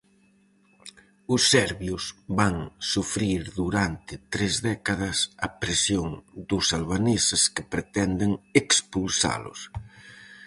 Os serbios van sufrir durante tres décadas a presión dos albaneses que pretenden expulsalos.